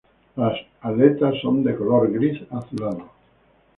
Las aletas son de color gris azulado.